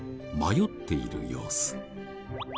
迷っている様子。